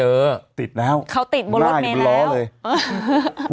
เออติดแล้วเขาติดบนรถเมล์แล้ว